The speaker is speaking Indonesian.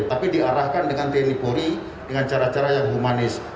tapi diarahkan dengan tni polri dengan cara cara yang humanis